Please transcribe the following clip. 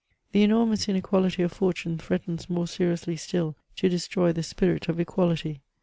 The enormous inequality of fortune threatens more seriously still to destroy the spirit of equality.